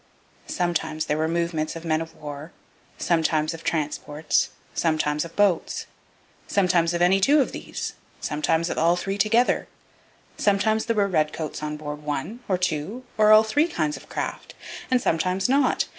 Sometimes there were movements of men of war, sometimes of transports, sometimes of boats, sometimes of any two of these, sometimes of all three together; sometimes there were redcoats on board one, or two, or all three kinds of craft, and sometimes not.